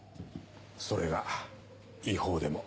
それが違法でも。